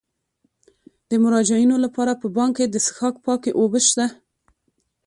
د مراجعینو لپاره په بانک کې د څښاک پاکې اوبه شته.